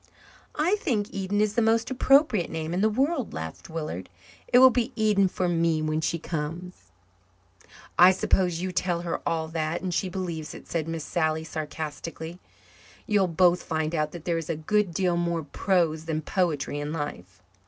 "I think Eden is the most appropriate name in the world," laughed Willard. "It will be Eden for me when she comes." "I suppose you tell her all that and she believes it," said Miss Sally sarcastically. "You'll both find out that there is a good deal more prose than poetry in life."